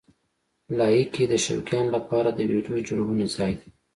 لایکي د شوقیانو لپاره د ویډیو جوړونې ځای دی.